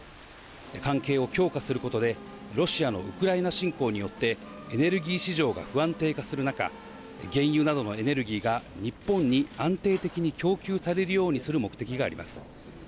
関係を強化することで、ロシアのウクライナ侵攻によってエネルギー市場が不安定化する中、原油などのエネルギーが日本に安定的に供給されるようにする目的があります。